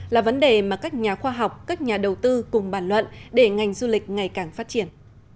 là vấn đề mà các nhà khoa học các nhà đầu tư cùng bàn luận để ngành du lịch ngày càng phát triển